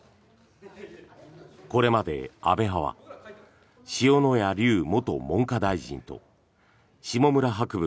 これまで安倍派は塩谷立元文科大臣と下村博文